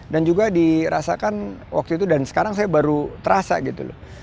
dan juga dirasakan waktu itu dan sekarang saya baru terasa gitu loh